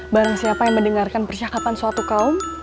barang siapa yang mendengarkan percakapan suatu kaum